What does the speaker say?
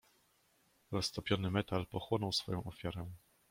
"Roztopiony metal pochłonął swoją ofiarę."